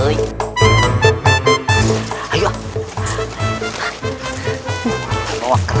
kerjaan kimia dan beban